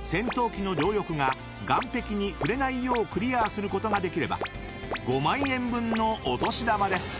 戦闘機の両翼が岩壁に触れないようクリアすることができれば５万円分のお年玉です。